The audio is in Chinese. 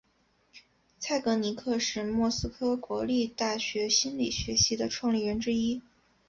蔡格尼克是莫斯科国立大学心理学系的创立人之一。